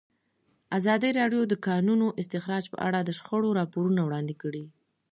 ازادي راډیو د د کانونو استخراج په اړه د شخړو راپورونه وړاندې کړي.